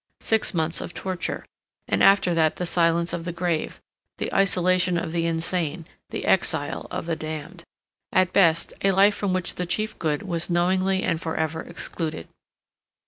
Six months of torture, and after that the silence of the grave, the isolation of the insane, the exile of the damned; at best, a life from which the chief good was knowingly and for ever excluded.